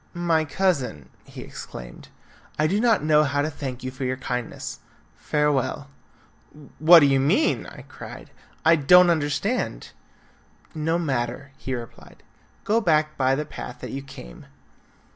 "My cousin," he exclaimed, "I do not know how to thank you for your kindness. Farewell." "What do you mean?" I cried. "I don't understand." "No matter," he replied, "go back by the path that you came."